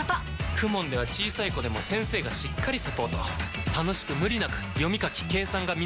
ＫＵＭＯＮ では小さい子でも先生がしっかりサポート楽しく無理なく読み書き計算が身につきます！